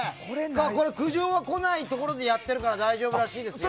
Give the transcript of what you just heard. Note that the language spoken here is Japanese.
苦情が来ないところでやってるから大丈夫らしいですよ。